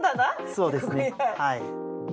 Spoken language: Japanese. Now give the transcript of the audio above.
そうですねはい。